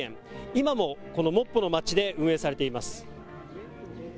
今もこのモッポの町で運営されています。